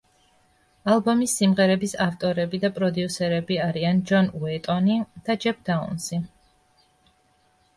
ალბომის სიმღერების ავტორები და პროდიუსერები არიან ჯონ უეტონი და ჯეფ დაუნზი.